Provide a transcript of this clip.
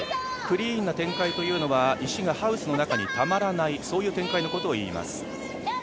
クリーンな展開というのは石がハウスの中にたまらない、そういう展開のことをいいます。